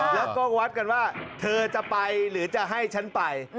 แล้วก็วัดกันว่าเธอจะไปหรือจะให้ฉันไป